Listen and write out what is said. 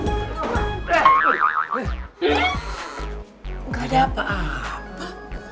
gak ada apa apa